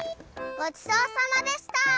ごちそうさまでした！